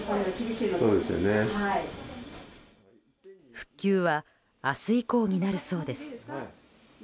復旧は明日以降になるそうです。